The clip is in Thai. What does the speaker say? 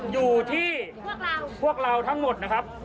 อยู่ที่พวกเราทั้งหมดนะครับ